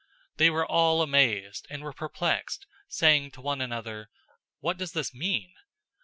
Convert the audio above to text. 002:012 They were all amazed, and were perplexed, saying one to another, "What does this mean?"